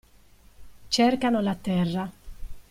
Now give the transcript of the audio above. Cercano la terra.